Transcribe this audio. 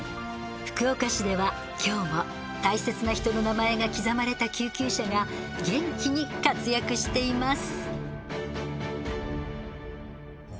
福岡市では今日も大切な人の名前が刻まれた救急車が元気に活躍しています。